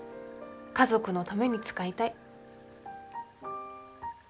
家族のために使いたい。